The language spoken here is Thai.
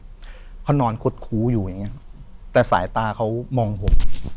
เดินผมเนี่ยเขานอนคดคุ้อยู่อย่างงี้แต่สายตาเขามองผม